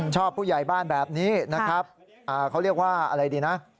ผู้ใหญ่บ้านแบบนี้นะครับเขาเรียกว่าอะไรดีนะ